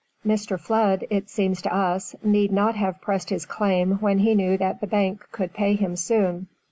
Mr. Flood, it seemed to us, need not have pressed his claim when he knew that the bank could pay him soon.